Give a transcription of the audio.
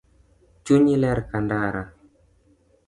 Chunyi ler kandara